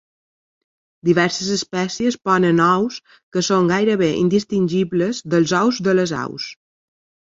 Diverses espècies ponen ous que són gairebé indistingibles dels ous de les aus.